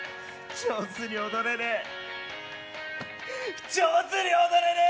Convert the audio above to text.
上手に踊れねえ上手に踊れねえ！